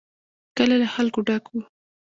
کلی له خلکو ډک و.